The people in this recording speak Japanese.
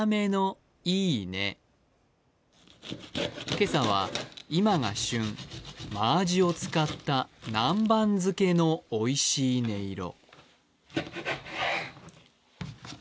今朝は今が旬、真あじを使った南蛮漬けのおいしい音色。